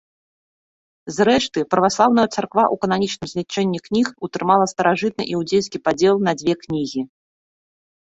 Зрэшты, праваслаўная царква ў кананічным злічэнні кніг утрымала старажытны іўдзейскі падзел на дзве кнігі.